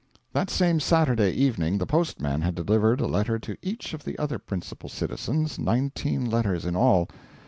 That same Saturday evening the postman had delivered a letter to each of the other principal citizens nineteen letters in all.